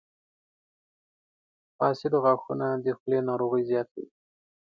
• فاسد غاښونه د خولې ناروغۍ زیاتوي.